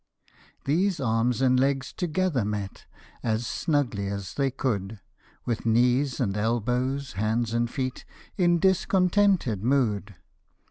These arms and legs together met, As snugly as they could, With knees and elbows, hands and feet, In discontented mood.